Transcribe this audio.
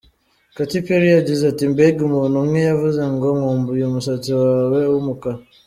Katy Perry yagize ati "Mbega, umuntu umwe yavuze ngo, ’Nkumbuye umusatsi wawe w’umukara,’".